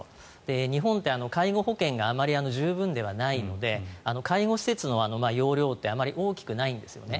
日本って介護保険があまり十分ではないので介護施設の容量ってあまり大きくないんですよね。